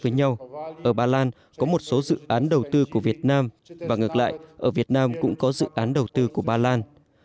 với nhau ở ba lan có một số dự án đầu tư của việt nam và ngược lại ở việt nam cũng có dự án đầu tư của ba lan